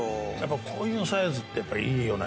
こういうサイズってやっぱりいいよね。